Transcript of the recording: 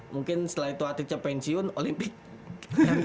mungkin setelah itu atletnya pensiun olimpik